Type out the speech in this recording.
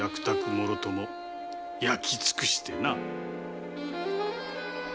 もろとも焼きつくしてな。